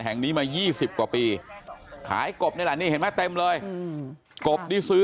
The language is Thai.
แห่งนี้มา๒๐กว่าปีขายกบนี่แหละนี่เห็นไหมเต็มเลยกบนี่ซื้อ